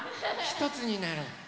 ひとつになろう。